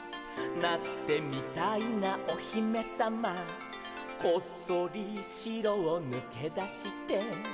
「なってみたいなおひめさま」「こっそりしろをぬけだして」